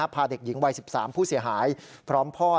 พาเด็กหญิงวัย๑๓ผู้เสียหายพร้อมพ่อ